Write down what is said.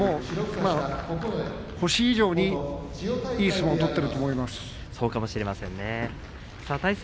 星以上にいい相撲を取っていると思います。